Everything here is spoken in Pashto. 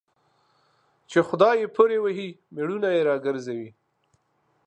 چي خداى يې پري وهي مړونه يې راگرځوي